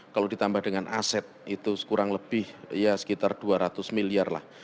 kalau ditambah dengan aset itu kurang lebih ya sekitar dua ratus miliar lah